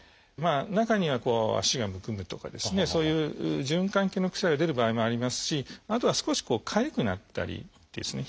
中には足がむくむとかですねそういう循環器系の副作用出る場合もありますしあとは少しこうかゆくなったりですね